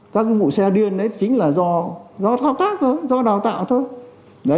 các vụ xe điên đấy chính là do thao tác thôi do đào tạo thôi